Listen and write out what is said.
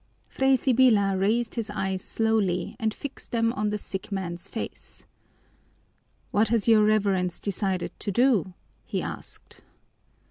Fray Sibyla raised his eyes slowly and fixed them on the sick man's face. "What has your Reverence decided to do?" he asked.